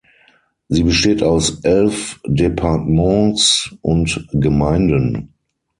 Sie besteht aus elf Departements und Gemeinden.